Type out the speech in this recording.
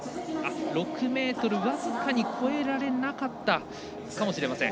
６ｍ、僅かに越えられなかったかもしれません。